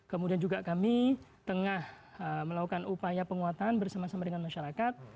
kemudian juga kami tengah melakukan upaya penguatan bersama sama dengan masyarakat